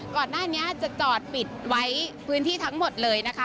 ก่อนหน้านี้จะจอดปิดไว้พื้นที่ทั้งหมดเลยนะคะ